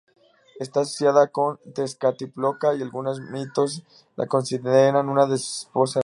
Está asociada con Tezcatlipoca y algunos mitos la consideran una de sus esposas.